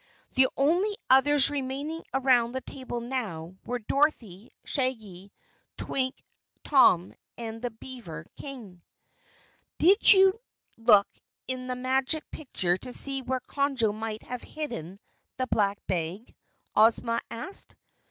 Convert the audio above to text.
The only others remaining around the table now were Dorothy, Shaggy, Twink, Tom, and the beaver King. "Did you look in the Magic Picture to see where Conjo might have hidden the Black Bag?" Ozma asked.